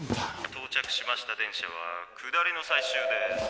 到着しました電車は下りの最終です。